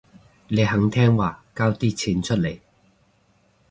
你肯聽話交啲錢出嚟